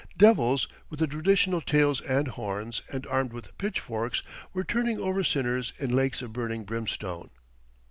Devils, with the traditional tails and horns, and armed with pitchforks, were turning over sinners in lakes of burning brimstone....